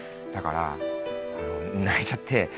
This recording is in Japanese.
だから泣いちゃって。